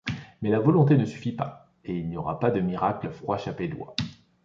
Mais la volonté ne suffit pas, et il n'y aura pas de miracle froidchapellois.